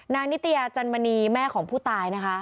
นิตยาจันมณีแม่ของผู้ตายนะคะ